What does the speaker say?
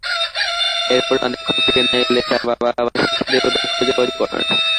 এরপর অনেকক্ষণ ফিরে না এলে তাঁর বাবা বাসার ছাদে উঠে খোঁজাখুঁজি করেন।